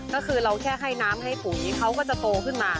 ก็คือเราแค่ให้น้ำให้ปุ๋ยเขาก็จะโตขึ้นมา